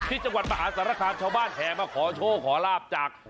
ที่จังหวัดมหาสารคามชาวบ้านแห่มาขอโชคขอลาบจาก